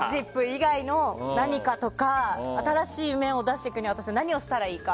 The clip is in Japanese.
以外の何かとか新しい面を出していくためには何をしたらいいのか。